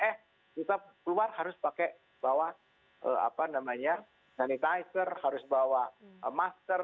eh kita keluar harus pakai bawa sanitizer harus bawa masker